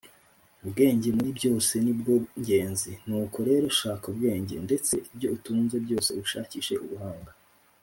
“ubwenge muri byose ni bwo ngenzi; nuko rero shaka ubwenge; ndetse ibyo utunze byose ubishakishe ubuhanga.”